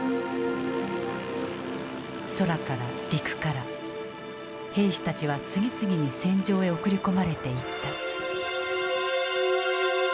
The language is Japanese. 空から陸から兵士たちは次々に戦場へ送り込まれていった。